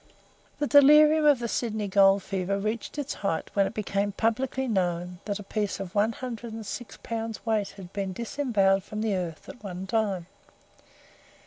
The delirium of the Sydney gold fever reached its height when it became publicly known that a piece of one hundred and six pounds weight had been disembowelled from the earth, at one time.